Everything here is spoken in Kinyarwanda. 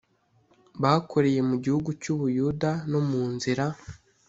bakoreye mu gihugu cy u Buyuda no mu nzira